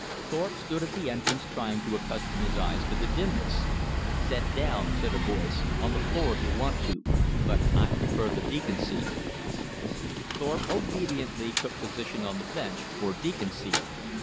Thorpe stood at the entrance trying to accustom his eyes to the dimness. "Set down," said a voice, "on th' floor if you want to; but I'd prefer th' deacon seat." Thorpe obediently took position on the bench, or "deacon seat."